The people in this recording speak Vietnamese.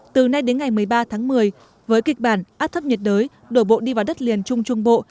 từ nay đến ngày một mươi ba tháng một mươi với kịch bản áp thấp nhiệt đới đổ bộ đi vào đất liền trung trung bộ